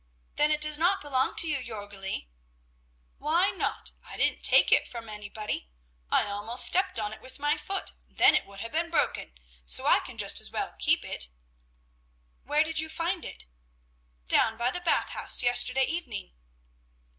"Then it does not belong to you, Jörgli." "Why not? I didn't take it from anybody. I almost stepped on it with my foot, then it would have been broken; so I can just as well keep it." "Where did you find it?" "Down by the Bath House, yesterday evening."